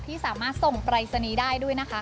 ที่สามารถส่งปรายศนีย์ได้ด้วยนะคะ